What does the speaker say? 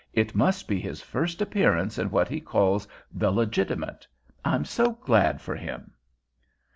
"It must be his first appearance in what he calls 'the legitimate.' I'm so glad for him."